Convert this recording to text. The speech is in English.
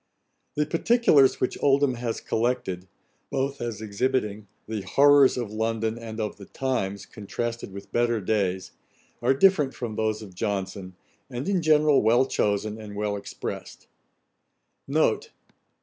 The particulars which Oldham has collected, both as exhibiting the horrours of London, and of the times, contrasted with better days, are different from those of Johnson, and in general well chosen, and well exprest.